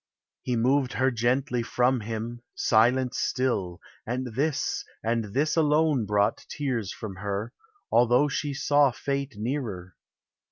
He moved her gently from him, silent still; And this, and this alone, brought tears from her, Although she saw fate nearer.